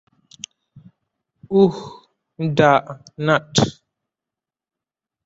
উহ, ডাঃ নাট।